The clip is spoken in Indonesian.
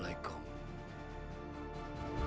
sebaiknya pemana pergi